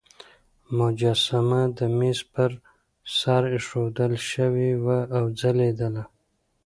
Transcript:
مجسمه د مېز پر سر ایښودل شوې وه او ځلېدله.